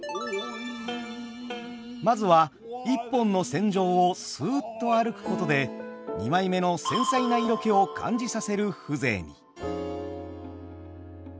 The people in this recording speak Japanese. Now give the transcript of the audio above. まずは１本の線上をすっと歩くことで二枚目の繊細な色気を感じさせる風情に。